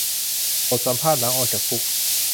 บทสัมภาษณ์หลังออกจากคุก